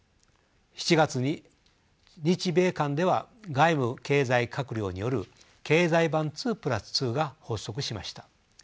７月に日米間では外務経済閣僚による経済版２プラス２が発足しました。